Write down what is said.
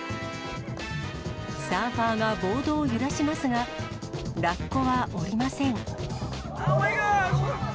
サーファーがボードを揺らしますが、ラッコは降りません。